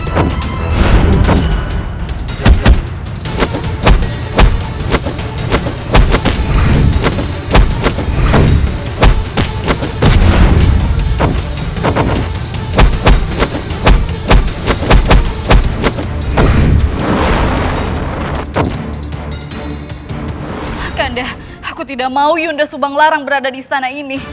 kanda aku tidak mau yunda subanglarang berada di istana ini